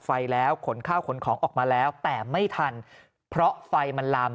ไฟแล้วขนข้าวขนของออกมาแล้วแต่ไม่ทันเพราะไฟมันลาม